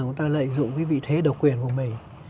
người ta lợi dụng cái vị thế độc quyền của mình